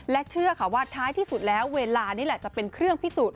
เชื่อค่ะว่าท้ายที่สุดแล้วเวลานี่แหละจะเป็นเครื่องพิสูจน